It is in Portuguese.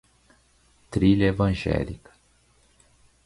Trilha evangélica